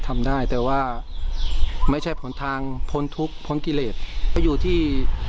ทำได้แต่ว่าไม่ใช่ผลทางพ้นทุกข์พ้นกิเลสไปอยู่ที่